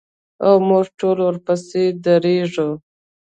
او موږ ټول ورپسې درېږو.